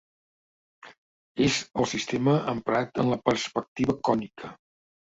És el sistema emprat en la perspectiva cònica.